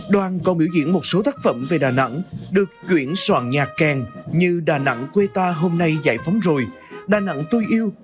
đoàn còn biểu diễn một số tác phẩm về đà nẵng được chuyển soạn nhạc kèn như đà nẵng quê ta hôm nay giải phóng rồi đà nẵng tôi yêu